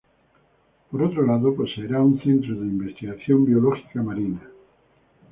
Por otro lado, poseerá un centro investigación biológica marina.